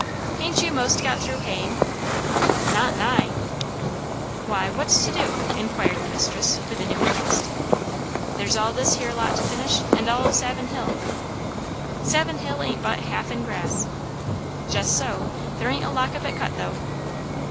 "Hain't you 'most got through haying?" "Not nigh." "Why, what's to do?" inquired the mistress, with a new interest. "There's all this here lot to finish, and all of Savin hill." "Savin hill ain't but half in grass." "Jes' so. There ain't a lock of it cut, though."